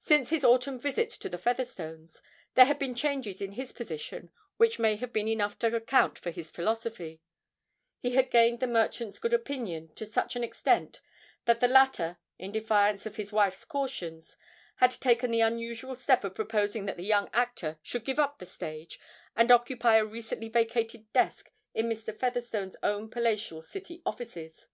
Since his autumn visit to the Featherstones, there had been changes in his position which may have been enough to account for his philosophy; he had gained the merchant's good opinion to such an extent that the latter, in defiance of his wife's cautions, had taken the unusual step of proposing that the young actor should give up the stage and occupy a recently vacated desk in Mr. Featherstone's own palatial City offices.